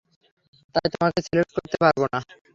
তাই, তোমাকে সিলেক্ট করতে পারব না।